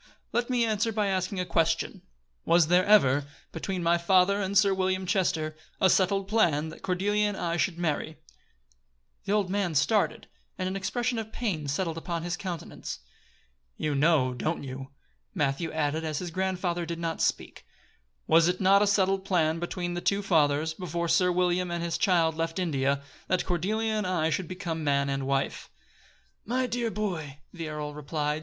"Let me answer by asking a question: Was there ever, between my father and Sir William Chester, a settled plan that Cordelia and I should marry?" The old man started, and an expression of pain settled upon his countenance. "You know, don't you?" Matthew added, as his grandfather did not speak. "Was it not a settled plan between the two fathers, before Sir William and his child left India, that Cordelia and I should become man and wife?"